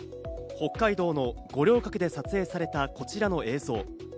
北海道の五稜郭で撮影された、こちらの映像。